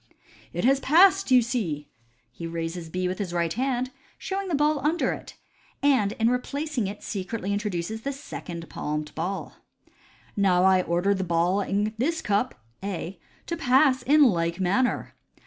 " It has passed, you see !" He raises B with his right hand, showing the ball under it, and in replacing it secretly introduces the second palmed ball. " Now I order the ball in this cup (A) to pass in like manner."